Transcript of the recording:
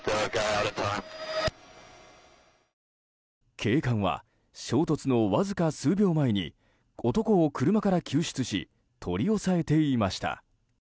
警官は衝突のわずか数秒前に男を車から救出し取り押さえていました。